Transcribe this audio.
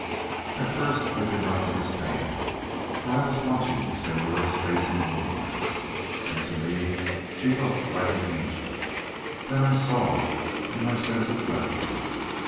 At first I did not understand, for I was watching the Senora's face in the moonlight, and to me she looked like an angel. Then I saw, and my senses left me.